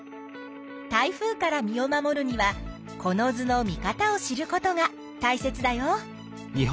台風から身を守るにはこの図の見方を知ることがたいせつだよ。